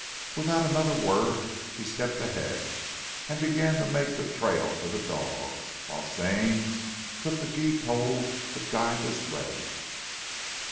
Without another word he stepped ahead, and began to make the trail for the dogs, whilst Stane took the gee pole to guide the sledge.